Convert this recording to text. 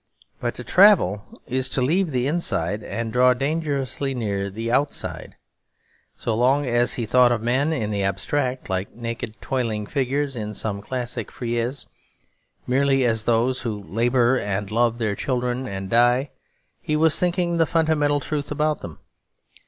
But to travel is to leave the inside and draw dangerously near the outside. So long as he thought of men in the abstract, like naked toiling figures in some classic frieze, merely as those who labour and love their children and die, he was thinking the fundamental truth about them.